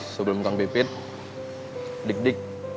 sebelum kang pipit dik dik